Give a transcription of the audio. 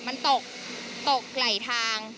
มันตกตกไหลทาง